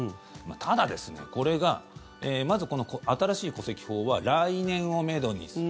ただ、これがまず新しい戸籍法は来年をめどにする。